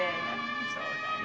そうだね。